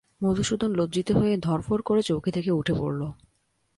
মধুসূদন লজ্জিত হয়ে ধড়ফড় করে চৌকি থেকে উঠে পড়ল।